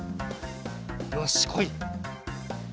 よしこい！